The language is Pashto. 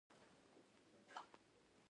زه د سیل کولو شوق لرم.